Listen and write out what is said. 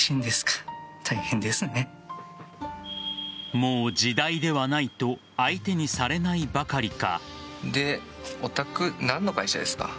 もう時代ではないと相手にされないばかりか。